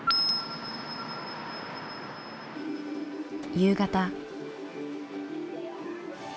夕方。